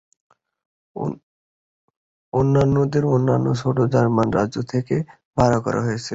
অন্যান্যদের অন্যান্য ছোট জার্মান রাজ্য থেকে ভাড়া করা হয়েছিল।